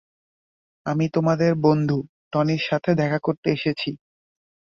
আমি তোমাদের বন্ধু, টনির সাথে দেখা করতে এসেছি।